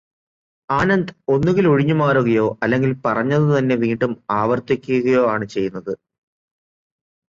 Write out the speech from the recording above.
ആനന്ദ് ഒന്നുകില് ഒഴിഞ്ഞുമാറുകയോ അല്ലെങ്കില് പറഞ്ഞതു തന്നെ വീണ്ടും ആവര്ത്തിക്കുകയോ ആണു ചെയ്യുന്നത്.